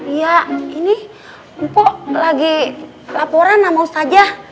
iya ini mpo lagi laporan sama ustazah